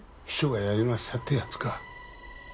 「秘書がやりました」ってやつか。